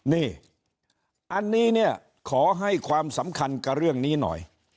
นี่อันนี้เนี่ยขอให้ความสำคัญกับเรื่องนี้หน่อย